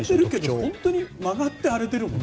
本当に曲がって荒れてる。